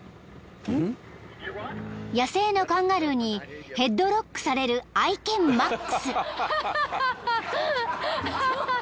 ［野生のカンガルーにヘッドロックされる愛犬マックス］